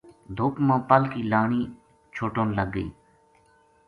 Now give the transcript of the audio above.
دھُپ ما پل کی لانی چھُٹن لگ گئی